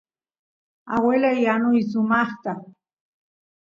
aguelay yanuy sumaqta